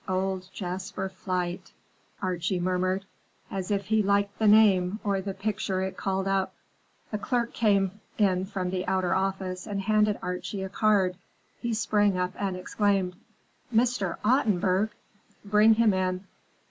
Old Jasper Flight," Archie murmured, as if he liked the name or the picture it called up. A clerk came in from the outer office and handed Archie a card. He sprang up and exclaimed, "Mr. Ottenburg? Bring him in."